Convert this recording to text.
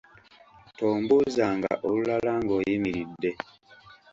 Tombuuzanga olulala ng’oyimiridde.